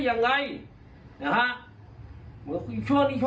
เนี่ยฮะ